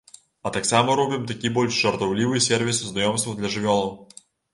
А таксама робім такі больш жартаўлівы сервіс знаёмстваў для жывёлаў.